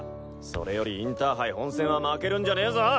それよりインターハイ本選は負けるんじゃねぇぞ！